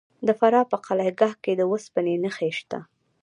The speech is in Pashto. د فراه په قلعه کاه کې د وسپنې نښې شته.